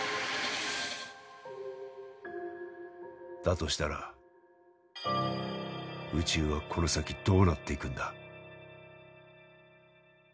だとしたら宇宙はこの先どうなっていくんだ？